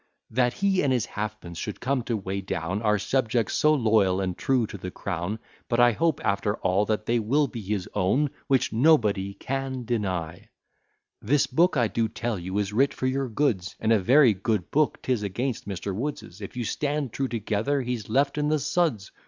That he and his halfpence should come to weigh down Our subjects so loyal and true to the crown: But I hope, after all, that they will be his own. Which, &c. This book, I do tell you, is writ for your goods, And a very good book 'tis against Mr. Wood's, If you stand true together, he's left in the suds.